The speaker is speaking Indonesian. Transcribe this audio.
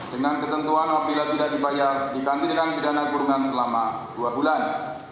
dengan ketentuan apila tidak dibayar dikantirkan pidana kurungan selama dua bulan